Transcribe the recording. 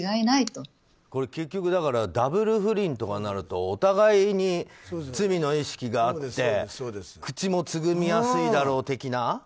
結局、ダブル不倫とかになるとお互いに罪の意識があって口もつぐみやすいだろうみたいな。